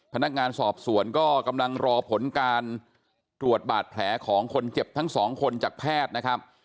พนักงานสอบสวนก็กำลังรอผลการตรวจบาดแผลของคนเจ็บทั้งสองคนจากแพทย์นะครับ